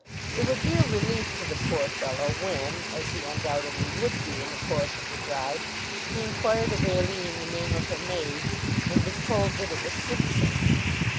It would be a relief to the poor fellow when, as he undoubtedly would do in the course of the drive, he inquired of Aline the name of her maid and was told that it was Simpson.